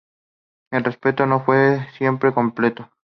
El respeto no fue siempre completo.